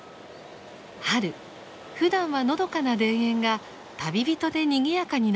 春ふだんはのどかな田園が旅人でにぎやかになります。